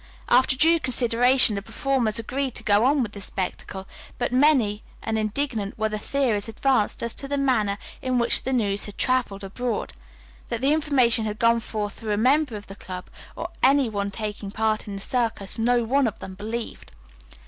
After due consideration the performers agreed to go on with the spectacle, but many and indignant were the theories advanced as to the manner in which the news had traveled abroad. That the information had gone forth through a member of the club or any one taking part in the circus no one of them believed.